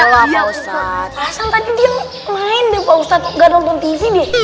pak ustadz pak ustadz tadi dia main deh pak ustadz gak nonton tv dia